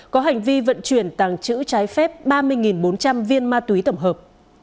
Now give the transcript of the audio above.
có hành vi vận chuyển tàng trữ trái phép ba mươi bốn trăm linh viên ma túy tổng hợp